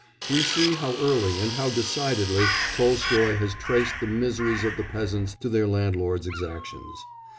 We see how early and how decidedly Tolstoy has traced the miseries of the peasants to their landlords' exactions.